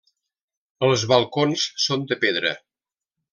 Els balcons són de pedra.